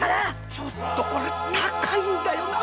ちょっとこれ高いんだよなあ。